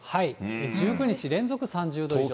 １９日連続３０度以上。